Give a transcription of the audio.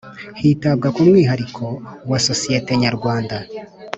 Hitabwa ku mwihariko wa sosiyete nyarwanda